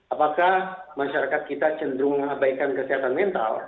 apakah masyarakat kita cenderung mengabaikan kesehatan mental